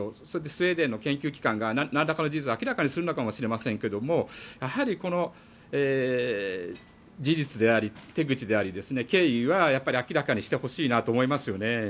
それでスウェーデンの研究機関が何らかの事実を明らかにするかもしれませんけどもやはりこの事実であり手口であり経緯は明らかにしてほしいなと思いますね。